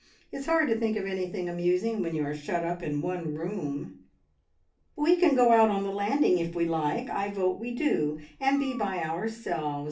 It's hard to think of anything amusing when you are shut up in one room." "We can go out on the landing, if we like; I vote we do, and be by ourselves.